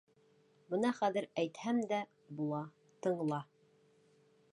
— Бына хәҙер әйтһәм дә була, тыңла!